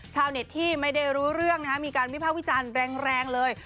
ชาวเน็ตที่ไม่ได้รู้เรื่องมีการวิภาควิจารณ์แรงเลย